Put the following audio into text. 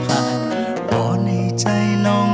เพราะในลมพัดพาหัวใจพี่ไปถึง